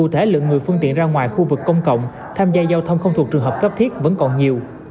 trong khu vực công cộng tham gia giao thông không thuộc trường hợp cấp thiết vẫn còn nhiều